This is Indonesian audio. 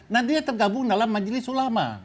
nah dia tergabung dalam majelis ulama